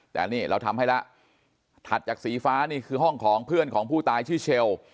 แต่นี่เราทำให้แล้วถัดจากสีฟ้านี่คือห้องของเพื่อนของผู้ตายชื่อเชล